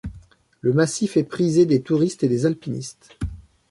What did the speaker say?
Le massif est prisé des touristes et des alpinistes.